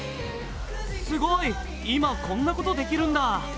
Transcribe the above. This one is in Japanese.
すごい、今こんなことできるんだ。